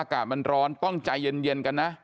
อากาศมันร้อนต้องใจเย็นกันนะ